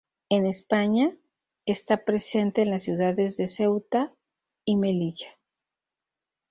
En España está presente en las ciudades de Ceuta y Melilla.